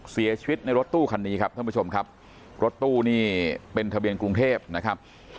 เสียชีวิตในรถตู้คันนี้ครับท่านผู้ชมครับรถตู้นี่เป็นทะเบียนกรุงเทพนะครับ